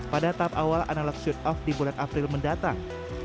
pada tahap awal analog shoot off di bulan april mendatang